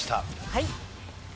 はい。